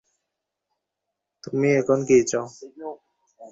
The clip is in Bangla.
তুমি এখন কী চাও?